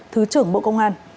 thứ trưởng bộ công an